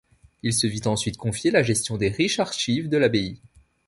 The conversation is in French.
Il se vit ensuite confier la gestion des riches archives de l'abbaye.